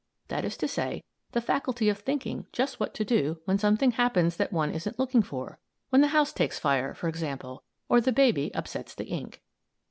That is to say, the faculty of thinking just what to do when something happens that one isn't looking for; when the house takes fire, for example, or the baby upsets the ink.